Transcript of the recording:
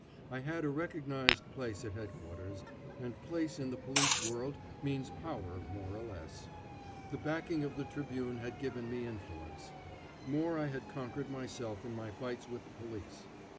I had a recognized place at Headquarters, and place in the police world means power, more or less. The backing of the Tribune had given me influence. More I had conquered myself in my fights with the police.